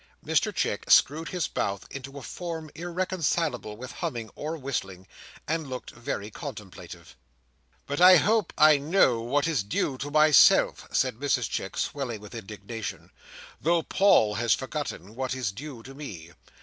Mr Chick screwed his mouth into a form irreconcilable with humming or whistling, and looked very contemplative. "But I hope I know what is due to myself," said Mrs Chick, swelling with indignation, "though Paul has forgotten what is due to me.